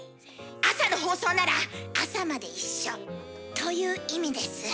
朝の放送なら朝まで一緒という意味です。